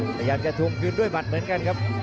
พยายามจะทุ่มกลิ้นด้วยปัตต์เหมือนกันครับ